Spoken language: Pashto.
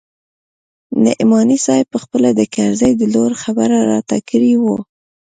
نعماني صاحب پخپله د کرزي د لور خبره راته کړې وه.